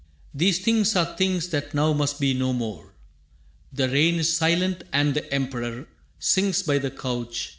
These things are things that now must be no more. The rain is silent, and the Emperor Sinks by the couch.